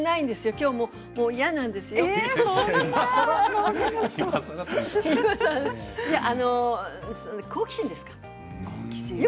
きょうも嫌なんですよ。